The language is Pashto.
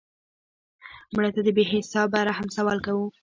مړه ته د بې حسابه رحم سوال کوو